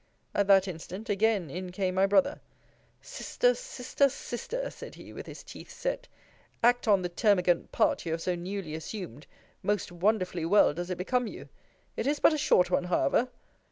At that instant, again in came my brother Sister, Sister, Sister, said he, with his teeth set, act on the termagant part you have so newly assumed most wonderfully well does it become you. It is but a short one, however.